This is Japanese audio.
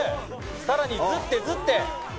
さらにずってずって。